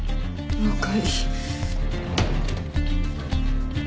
了解。